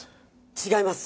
違います。